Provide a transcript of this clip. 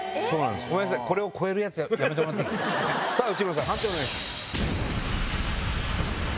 さぁ内村さん判定をお願いします。